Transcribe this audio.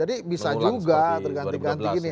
jadi bisa juga terganti ganti gini